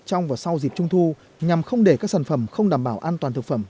trong và sau dịp trung thu nhằm không để các sản phẩm không đảm bảo an toàn thực phẩm